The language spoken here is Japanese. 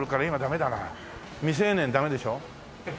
未成年ダメでしょ？